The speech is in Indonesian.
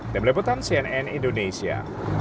dan meliputan cnn indonesia